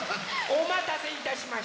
おまたせいたしました！